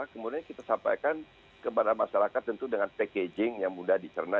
kemudian kita sampaikan kepada masyarakat tentu dengan packaging yang mudah dicerna